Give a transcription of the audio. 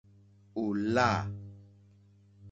Ò lâ.